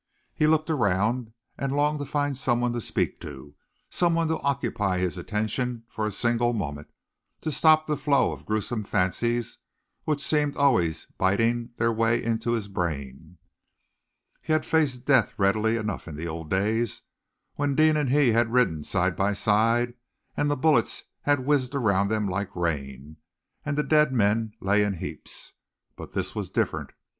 He looked around and longed to find someone to speak to, someone to occupy his attention for a single moment, to stop the flow of gruesome fancies which seemed always biting their way into his brain. He had faced death readily enough in those old days, when Deane and he had ridden side by side, and the bullets had whizzed around them like rain, and the dead men lay in heaps. But this was different!